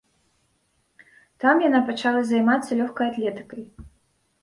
Там яна пачала займацца лёгкай атлетыкай.